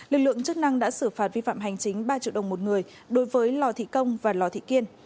lực lượng chức năng đã xử phạt vi phạm hành chính ba triệu đồng một người đối với lò thị công và lò thị kiên